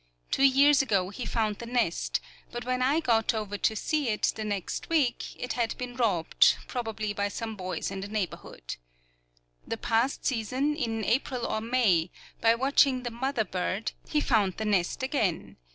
Two years ago he found the nest, but when I got over to see it the next week, it had been robbed, probably by some boys in the neighborhood. The past season, in April or May, by watching the mother bird, he found the nest again.